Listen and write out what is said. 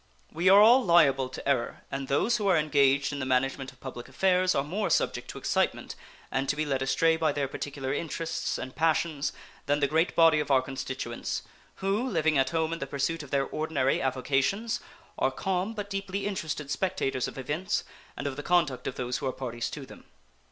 We are all liable to error, and those who are engaged in the management of public affairs are more subject to excitement and to be led astray by their particular interests and passions than the great body of our constituents, who, living at home in the pursuit of their ordinary avocations, are calm but deeply interested spectators of events and of the conduct of those who are parties to them.